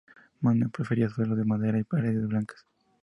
Moneo prefería suelos de madera y paredes blancas.